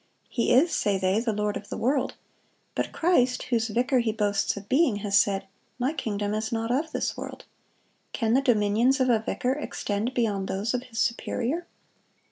He is, say they, the lord of the world! But Christ, whose vicar he boasts of being, has said, 'My kingdom is not of this world.' Can the dominions of a vicar extend beyond those of his superior?"